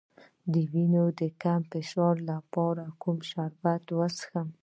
د وینې د کم فشار لپاره کوم شربت وڅښم؟